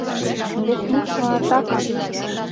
Без смысла атака...